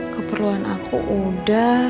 keperluan aku udah